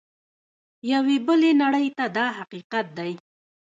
یوې بلې نړۍ ته دا حقیقت دی.